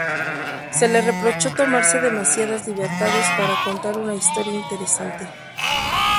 Se le reprochó tomarse demasiadas libertades para contar una historia interesante.